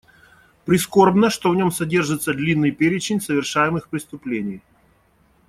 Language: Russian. Прискорбно, что в нем содержится длинный перечень совершаемых преступлений.